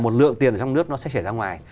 một lượng tiền ở trong nước nó sẽ chuyển ra ngoài